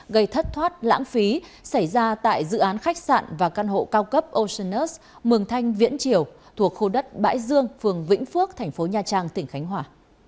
gây thất thoát lãng phí xảy ra tại dự án khách sạn và căn hộ cao cấp oceanus mường thanh viễn triều thuộc khu đất bãi dương phường vĩnh phước tp nha trang tỉnh khánh hòa